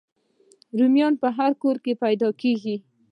رومیان هر کور کې پیدا کېږي